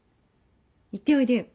行っておいでよ。